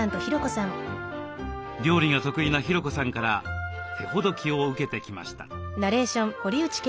料理が得意な博子さんから手ほどきを受けてきました。